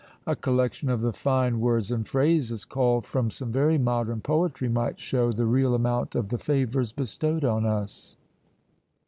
A collection of the fine words and phrases, culled from some very modern poetry, might show the real amount of the favours bestowed on us.